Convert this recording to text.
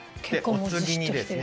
お次にですね